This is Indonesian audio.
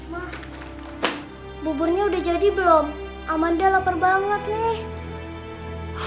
mah buburnya udah jadi belum amanda lapar banget nih